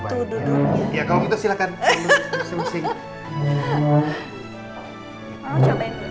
ya kalau gitu silakan